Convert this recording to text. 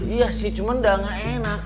iya sih cuman dah nggak enak